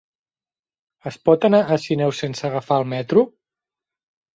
Es pot anar a Sineu sense agafar el metro?